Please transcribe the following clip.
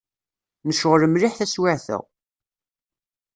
Necɣel mliḥ taswiεt-a.